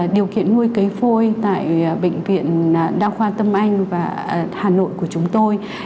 điều kiện nuôi cấy phôi tại bệnh viện đa khoa tâm anh và hà nội của chúng tôi